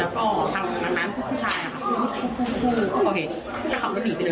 แล้วก็ทำนั้นผู้ชายอะภูมิฟูีู้ประเภท